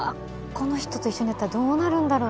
この人と一緒にやったらどうなるんだろう？